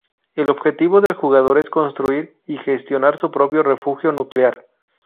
El objetivo del jugador es construir y gestionar su propio refugio nuclear.